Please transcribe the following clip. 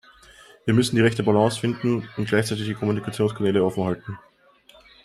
Wir müssen die rechte Balance finden und gleichzeitig die Kommunikationskanäle offen halten.